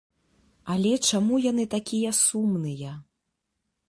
Але чаму яны такія сумныя?